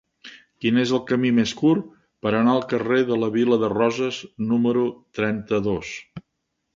Quin és el camí més curt per anar al carrer de la Vila de Roses número trenta-dos?